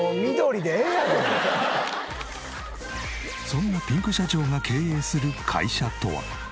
そんなピンク社長が経営する会社とは？